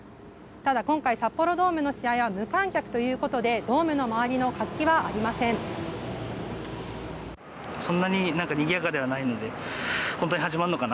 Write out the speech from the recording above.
ただ、今回札幌ドームの試合は無観客ということでドームの周りの活気はありません。